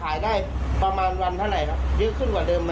วันที่๑ก็คือเดินธรรมดาวันที่๒ก็คือเดินธรรมดา